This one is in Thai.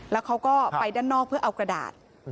และเขาก็ไปด้านนอกของเอากระดาษ